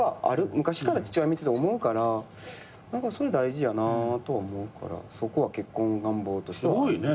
昔から父親見てて思うからそれ大事やなとは思うからそこは結婚願望としては。すごいね。